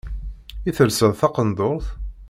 I telseḍ taqendurt?